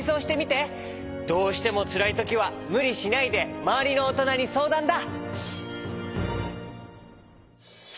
どうしてもつらいときはむりしないでまわりのおとなにそうだんだ！